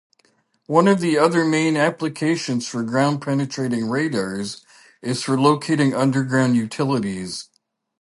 One of the other main applications for ground-penetrating radars is for locating underground utilities.